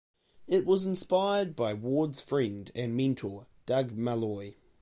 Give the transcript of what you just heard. It was inspired by Ward's friend and mentor, Doug Malloy.